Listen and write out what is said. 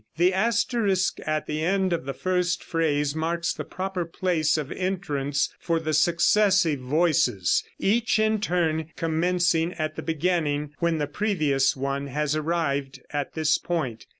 The asterisk at the end of the first phrase marks the proper place of entrance for the successive voices, each in turn commencing at the beginning when the previous one has arrived, at this point.